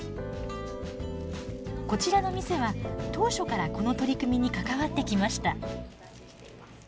こちらの店は当初からこの取り組みに関わってきました。